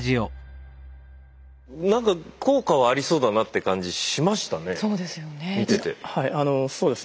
なんか効果はありそうだなって感じしましたね。